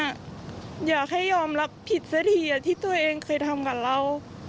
อยากให้ยอมรับผิดซะทีที่ตัวเองเคยทำกับเรา